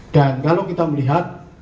dan kalau kita melihat